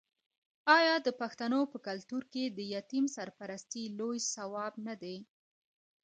آیا د پښتنو په کلتور کې د یتیم سرپرستي لوی ثواب نه دی؟